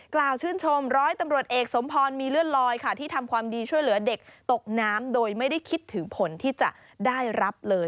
กล่าวชื่นชมร้อยตำรวจเอกสมพรมีเลื่อนลอยค่ะที่ทำความดีช่วยเหลือเด็กตกน้ำโดยไม่ได้คิดถึงผลที่จะได้รับเลย